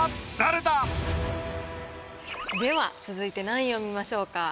では続いて何位を見ましょうか？